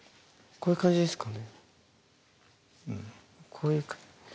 こういう感じですか？